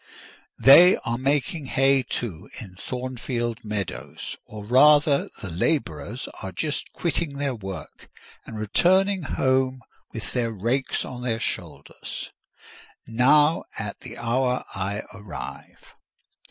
They are making hay, too, in Thornfield meadows: or rather, the labourers are just quitting their work, and returning home with their rakes on their shoulders, now, at the hour I arrive.